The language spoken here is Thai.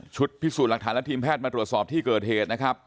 พิสูจน์หลักฐานและทีมแพทย์มาตรวจสอบที่เกิดเหตุนะครับ